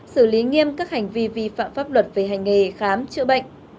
xử lý nghiêm các hành vi vi phạm pháp luật về hành nghề khám chữa bệnh